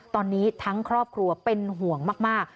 ตอนนี้ทั้งครอบครัวเป็นห่วงมาก